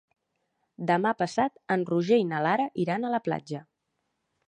Demà passat en Roger i na Lara iran a la platja.